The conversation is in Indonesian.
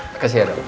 makasih ya dok